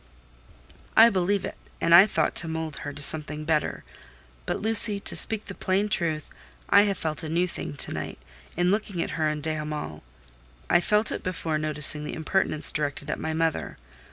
"I believe it—and I thought to mould her to something better: but, Lucy, to speak the plain truth, I have felt a new thing to night, in looking at her and de Hamal. I felt it before noticing the impertinence directed at my mother.